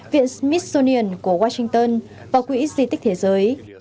viện smithsonian của washington và quỹ di tích thế giới